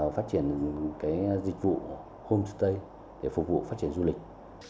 phát triển dịch vụ homestay để phục vụ phát triển du lịch